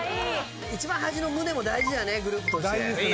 一番端の宗も大事だねグループとして。